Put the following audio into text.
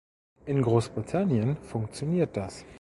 In Großbritannien funktioniert das.